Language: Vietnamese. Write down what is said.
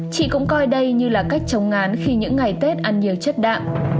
chị cũng coi đây như là cách chống ngán khi những ngày tết ăn nhiều chất đạm